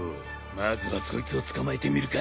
まずはそいつを捕まえてみるか。